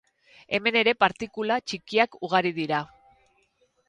Hemen ere partikula txikiak ugari dira.